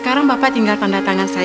ka pembahasan engga ga apaankenah